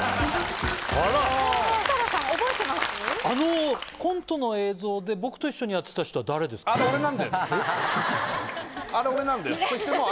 あのコントの映像で僕と一緒にやってた人は誰ですか？